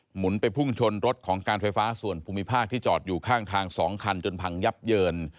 หมุนไปพุ่งชนรถของการไฟฟ้าส่วนภูมิภาคที่จอดอยู่ข้างทาง๒คันจนพังยับเยิน